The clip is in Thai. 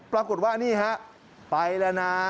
ปรากฏว่านี่ฮะไปแล้วนะ